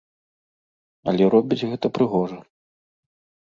Але робіць гэта прыгожа.